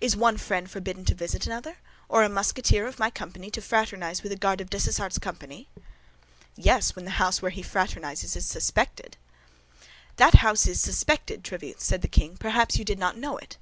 "Is one friend forbidden to visit another, or a Musketeer of my company to fraternize with a Guard of Dessessart's company?" "Yes, when the house where he fraternizes is suspected." "That house is suspected, Tréville," said the king; "perhaps you did not know it?"